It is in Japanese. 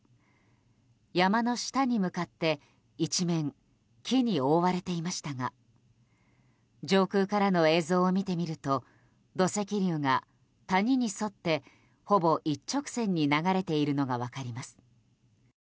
山の下に向かって一面、木に覆われていましたが上空からの映像を見てみると土石流が谷に沿ってほぼ一直線に流れているのが分かります。